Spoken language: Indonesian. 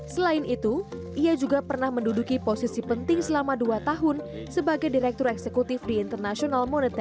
selain itu ia juga pernah menduduki posisi penting selama dua tahun sebagai direktur eksekutif di international monetary